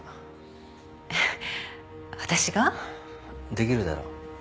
できるだろ？